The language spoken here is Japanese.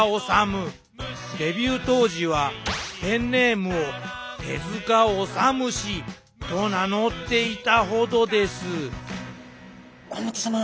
デビュー当時はペンネームを手治虫と名乗っていたほどです甲本さま